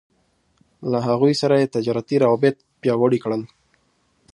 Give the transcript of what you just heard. له هغوی سره يې تجارتي روابط پياوړي کړل.